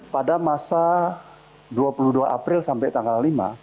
pada masa dua puluh dua april sampai tanggal lima